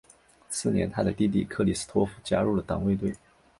次年他的弟弟克里斯托福加入了党卫队。